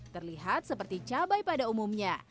terlihat seperti cabai pada umumnya